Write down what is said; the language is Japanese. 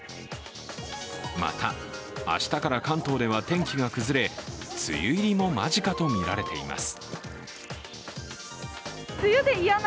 また、明日から関東では天気が崩れ梅雨入りも間近とみられています。